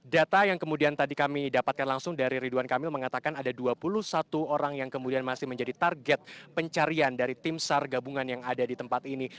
data yang kemudian tadi kami dapatkan langsung dari ridwan kamil mengatakan ada dua puluh satu orang yang kemudian masih menjadi target pencarian dari tim sar gabungan yang ada di tempat ini